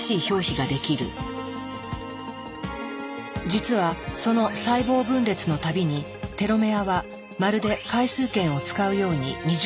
実はその細胞分裂のたびにテロメアはまるで回数券を使うように短くなっていく。